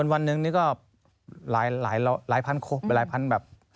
วันหนึ่งนี่ก็หลายพันครบหลายพันแบบ